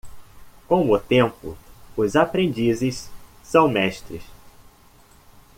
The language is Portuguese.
Com o tempo, os aprendizes são mestres.